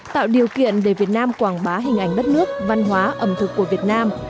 tạo điều kiện để việt nam quảng bá hình ảnh đất nước văn hóa ẩm thực của việt nam